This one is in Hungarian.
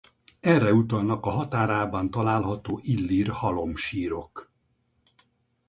Erre utalnak a határában található illír halomsírok.